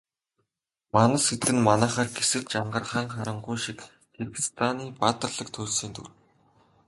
Манас гэдэг нь манайхаар Гэсэр, Жангар, Хан Харангуй шиг Киргизстаны баатарлаг туульсын дүр.